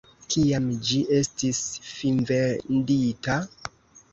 Kiam ĝi estis finvendita?